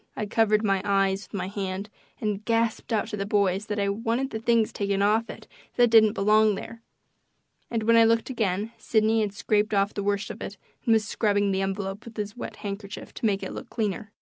I covered my eyes with my hand and gasped out to the boys that I wanted the things taken off it that didn't belong there, and when I looked again Sidney had scraped off the worst of it and was scrubbing the envelope with his wet handkerchief to make it look cleaner.